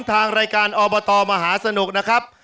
ทางรายการอบตมหาสนุกนะครับ